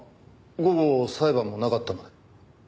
午後裁判もなかったので。